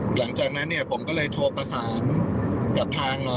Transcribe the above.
หลังจากนั้นผมก็เลยโทรประสานกับทางหน่อ